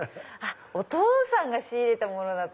お父さんが仕入れたものだった。